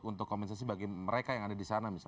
untuk kompensasi bagi mereka yang ada di sana